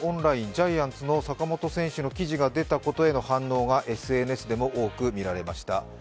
ジャイアンツ・坂本選手の記事が出た反応がＳＮＳでも多くみられました。